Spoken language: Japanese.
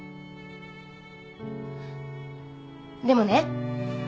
でもね